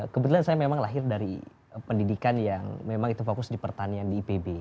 kebetulan saya memang lahir dari pendidikan yang memang itu fokus di pertanian di ipb